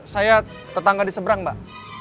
saya tetangga di seberang mbak